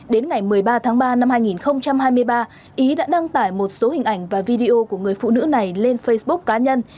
đến ngày một mươi ba tháng ba năm hai nghìn hai mươi ba ý đã đăng tải một số hình ảnh và video của người phụ nữ này lên facebook cá nhân